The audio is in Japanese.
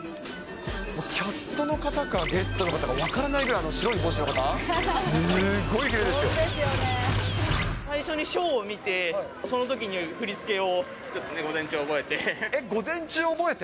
キャストの方かゲストの方か分からないぐらい、白い帽子の方、最初にショーを見て、そのときに振り付けを、ちょっと午前中覚えて。